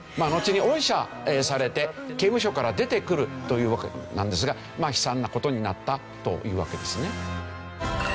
のちに恩赦されて刑務所から出てくるというわけなんですが悲惨な事になったというわけですね。